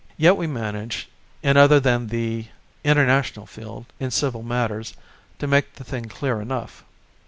Yet we manage, in other than the international field, in civil matters, to make the thing clear enough.